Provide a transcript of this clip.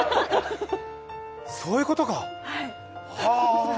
そういうことか！